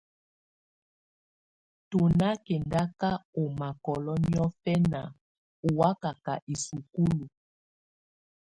Tù nà kɛndaka ɔ́ mákɔ́lɔ niɔ̀fɛna ɔ́ wakaka isukulu.